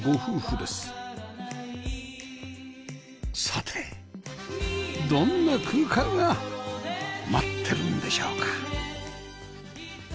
さてどんな空間が待っているんでしょうか？